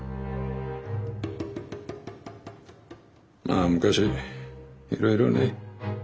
まあ昔いろいろね。